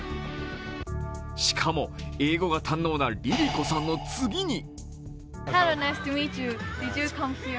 しかも、英語が堪能なＬｉＬｉＣｏさんの次に。